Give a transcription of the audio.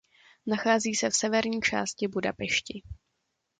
Nachází se v severní části Budapešti.